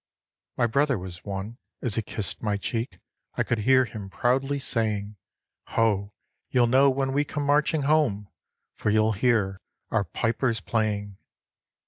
My brother was one. As he kissed my cheek, I could hear him proudly saying: "Ho! you'll know when we come marching home, For you'll hear our pipers playing."